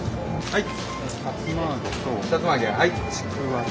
はい。